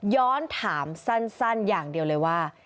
ย้อนถามสั้นอย่างเดียวเลยว่า